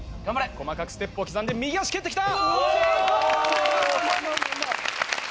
細かくステップを刻んで右足蹴ってきた！